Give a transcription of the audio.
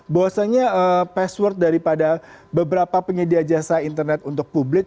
bahwasanya password daripada beberapa penyedia jasa internet untuk publik